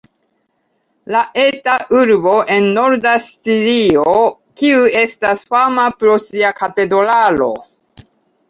La eta urbo en norda Sicilio kiu estas fama pro sia katedralo.